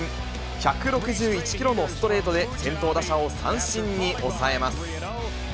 １６１キロのストレートで先頭打者を三振に抑えます。